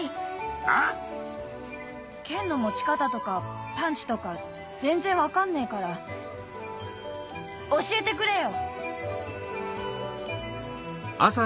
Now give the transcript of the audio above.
あ⁉剣の持ち方とかパンチとか全然分かんねえから教えてくれよ！